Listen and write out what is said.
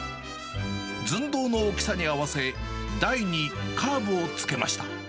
ずんどうの大きさに合わせ、台にカーブをつけました。